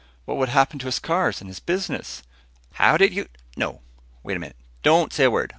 What would happen to his cars? And his business? "How did you ... no! Wait a minute. Don't say a word.